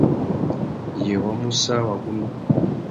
Yê wa mú sã wagunú ?